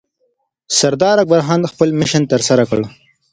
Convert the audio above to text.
سردار اکبرخان خپل مشن ترسره کړ